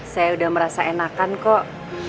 saya udah merasa enakan kok